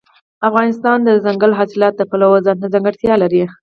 افغانستان د دځنګل حاصلات د پلوه ځانته ځانګړتیا لري.